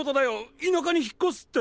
田舎に引っ越すって。